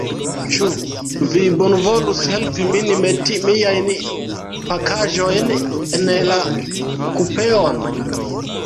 Ĉu vi bonvolus helpi min meti miajn pakaĵojn en la kupeon?